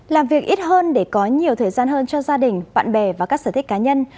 làm việc ít hơn để có nhiều thời gian hơn cho gia đình bạn bè và các sở thích cá nhân